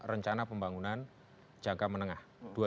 rencana pembangunan jangka menengah